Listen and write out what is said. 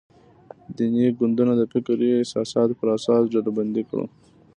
دیني ګوندونه د فکري اساساتو پر اساس ډلبندي کړو.